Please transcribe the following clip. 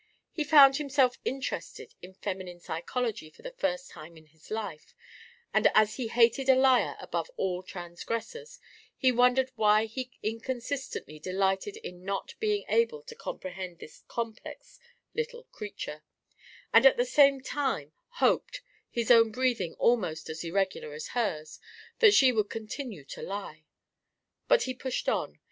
He found himself interested in feminine psychology for the first time in his life; and as he hated a liar above all transgressors, he wondered why he inconsistently delighted in not being able to comprehend this complex little creature, and at the same time hoped, his own breathing almost as irregular as hers, that she would continue to lie. But he pushed on.